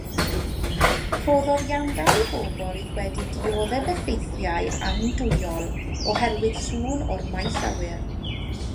Rhoddodd iawndal i bobl oedd wedi dioddef effeithiau andwyol oherwydd sŵn o'r maes awyr.